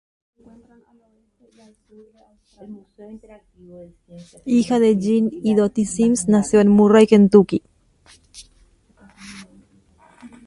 Hija de Jim y Dottie Sims, nació en Murray, Kentucky.